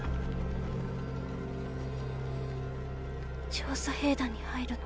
調査兵団に入るの？